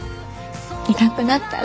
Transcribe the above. いなくなったら。